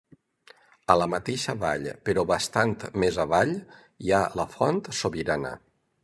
A la mateixa vall, però bastant més avall, hi ha la Font Sobirana.